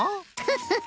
フフフ！